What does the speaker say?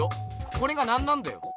これが何なんだよ？